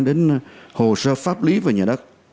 đến hồ sơ pháp lý và nhà đất